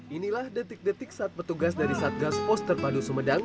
inilah detik detik saat petugas dari satgas poster padu sumedang